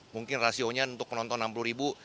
mungkin rasionya untuk penonton enam puluh ribu